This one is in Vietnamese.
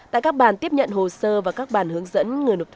tại các bàn tiếp nhận hồ sơ và các bàn hướng dẫn